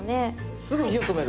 すぐ火を止める。